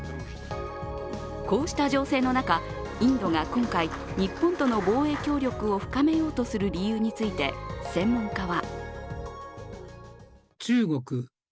こうした情勢の中、インドが今回、日本との防衛協力を深めようとする理由について専門家は。